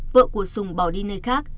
vợ của sùng bỏ đi nơi khác